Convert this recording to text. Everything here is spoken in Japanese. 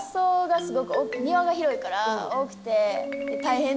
庭が広いから多くて。